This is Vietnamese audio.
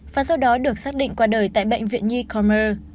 và sau đó được xác định qua đời tại bệnh viện newcomer